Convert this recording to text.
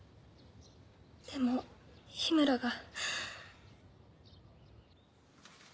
でも緋村が。